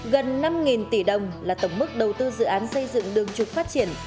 gần năm tỷ đồng là tổng mức đầu tư dự án xây dựng đường trục phát triển